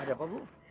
ada apa bu